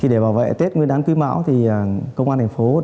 để bảo vệ tết nguyên đán quý mão